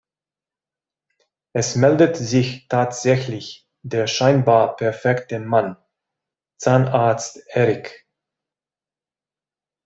Es meldet sich tatsächlich der scheinbar perfekte Mann: Zahnarzt Erik.